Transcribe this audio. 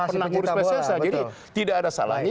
pernah ngurus pssi jadi tidak ada salahnya